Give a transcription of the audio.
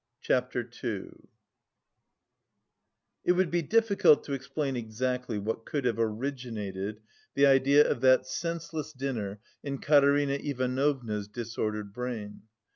CHAPTER II It would be difficult to explain exactly what could have originated the idea of that senseless dinner in Katerina Ivanovna's disordered brain.